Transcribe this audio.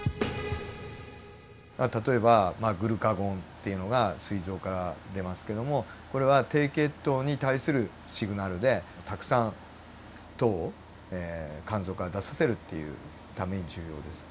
例えばまあグルカゴンっていうのがすい臓から出ますけどもこれは低血糖に対するシグナルでたくさん糖を肝臓から出させるっていうために重要です。